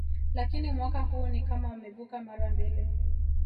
Lakini mwaka huu ni kama wamevuka mara mbili